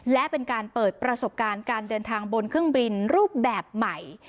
และเป็นการเปิดประสบการณ์การเดินทางบนเครื่องบินรูปแบบใหม่